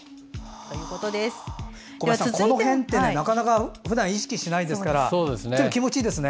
この辺ってなかなかふだん意識しないからちょっと気持ちいいですね。